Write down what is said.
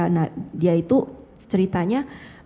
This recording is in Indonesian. nah dia itu ceritanya